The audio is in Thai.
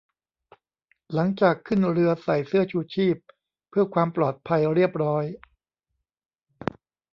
หลังจากขึ้นเรือใส่เสื้อชูชีพเพื่อความปลอดภัยเรียบร้อย